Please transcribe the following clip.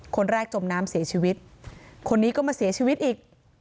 คนแรกจมน้ำเสียชีวิตคนนี้ก็มาเสียชีวิตอีก